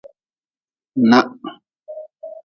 Nah.